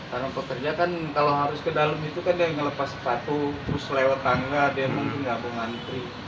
karena pekerja kan kalau harus ke dalam itu kan dia ngelepas sepatu terus lewat tangga dia mungkin gabung antri